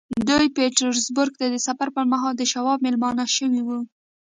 دوی پيټرزبورګ ته د سفر پر مهال د شواب مېلمانه شوي وو.